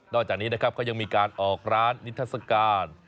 นอกจากนี้นะครับเขายังมีการออกร้านนิทรรศการ